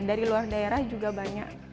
dari luar daerah juga banyak